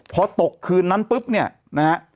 พอตกคืนนั้นปุ๊บเนี่ยนะฮะ